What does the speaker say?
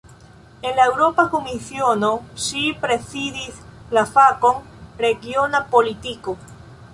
En la Eŭropa Komisiono, ŝi prezidis la fakon "regiona politiko".